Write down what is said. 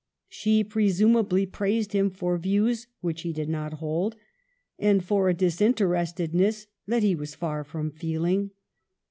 She presumably praised him for views which he did not hold, and for a disin terestedness that he was far from feeling.